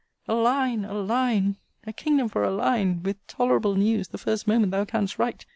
A line! a line! a kingdom for a line! with tolerable news, the first moment thou canst write!